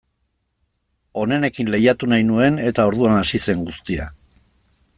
Onenekin lehiatu nahi nuen, eta orduan hasi zen guztia.